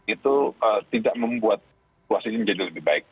itu tidak membuat situasi ini menjadi lebih baik